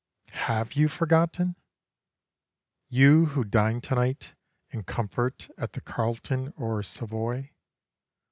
Have you forgotten? you who dine to night In comfort at the Carlton or Savoy.